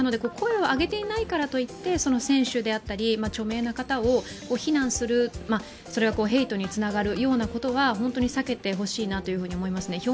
声を上げていないからといって選手であったり著名な方を非難する、それはヘイトにつながるようなことは本当に避けてほしいなと思いますね。